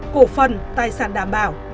cổ phần tài sản đảm bảo